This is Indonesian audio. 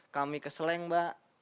kami ke seleng mbak